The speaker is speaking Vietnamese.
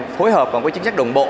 phối hợp và chính sách đồng bộ